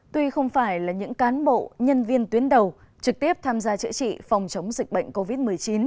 tuy không phải là những cán bộ nhân viên tuyến đầu trực tiếp tham gia chữa trị phòng chống dịch bệnh covid một mươi chín